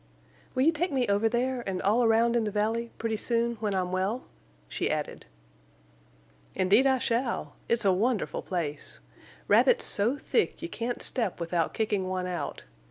"Will you take me over there, and all around in the valley—pretty soon, when I'm well?" she added. "Indeed I shall. It's a wonderful place. Rabbits so thick you can't step without kicking one out.